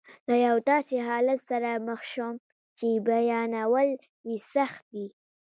له یو داسې حالت سره مخ شوم چې بیانول یې سخت دي.